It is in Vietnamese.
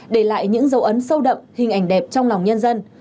để lại những dấu ấn sâu đậm hình ảnh đẹp trong lòng nhân dân